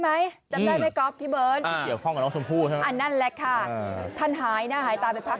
ไหมจำได้ไหมก๊อฟพี่เบิร์นอันนั้นแหละค่ะท่านหายหน้าหายตาไปพัก